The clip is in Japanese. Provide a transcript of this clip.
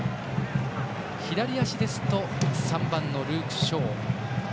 左足ですと３番のルーク・ショー。